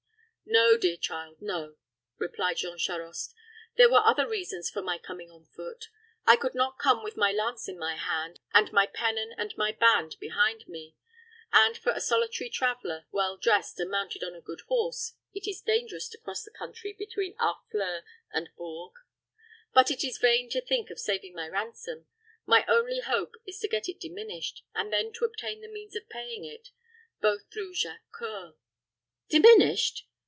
"No, dear child, no," replied Jean Charost. "There were other reasons for my coming on foot. I could not come with my lance in my hand, and my pennon and my band behind me; and for a solitary traveler, well dressed, and mounted on a good horse, it is dangerous to cross the country between Harfleur and Bourges. But it is vain to think of saving my ransom. My only hope is to get it diminished, and then to obtain the means of paying it both through Jacques C[oe]ur." "Diminished!"